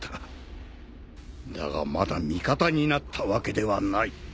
だがまだ味方になったわけではない。